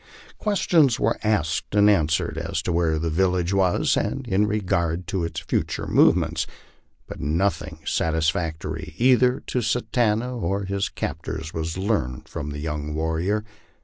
Questions were asked and answered as to where the village was, and in regard to its future movements, but nothing satisfactory either to Satanta or his captors was learned from the young warrior.